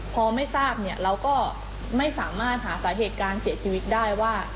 พอไม่ทราบเนี่ยเราก็ไม่สามารถหาสาเหตุการเสียชีวิตได้ว่า